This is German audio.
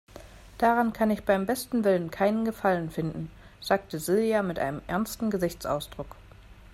Daran kann ich beim besten Willen keinen Gefallen finden, sagte Silja mit einem ernsten Gesichtsausdruck.